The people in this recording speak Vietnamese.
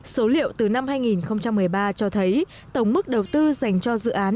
số liệu từ năm hai nghìn một mươi ba cho thấy tổng mức đầu tư dành cho dự án